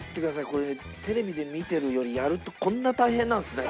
これテレビで見てるよりやるとこんな大変なんですね